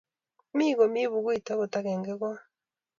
Koma komi bukuit akot akenge kot